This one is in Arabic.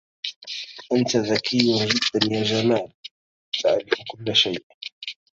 أنت ذكي جدا يا جمال. تعرف كل شيء.